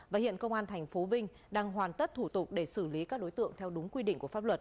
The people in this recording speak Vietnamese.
và hiện công an tp vinh đang hoàn tất thủ tục để xử lý các đối tượng theo đúng quy định của pháp luật